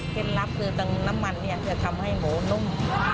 เข้นลับคือการน้ำมันนี่เพื่อทำให้หมูนุ่ม